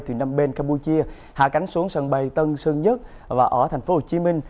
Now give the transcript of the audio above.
từ năm bên campuchia hạ cánh xuống sân bay tân sơn nhất và ở tp hcm